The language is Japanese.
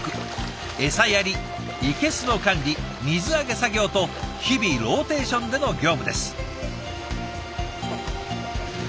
エサやり生けすの管理水揚げ作業と日々ローテーションでの業務です。